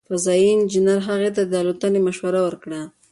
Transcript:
فضايي انجنیر هغې ته د الوتنې مشوره ورکړه.